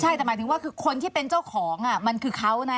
ใช่แต่หมายถึงว่าคือคนที่เป็นเจ้าของมันคือเขานะ